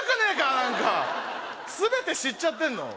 何か全て知っちゃってんの？